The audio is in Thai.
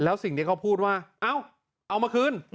แล้วสิ่งที่เขาพูดว่าเอ้าเอามาคืน